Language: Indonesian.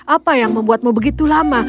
apa yang membuatmu begitu lama